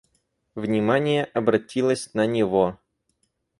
Внимание обратилось на него.